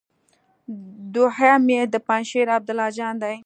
دوهم يې د پنجشېر عبدالله جان دی.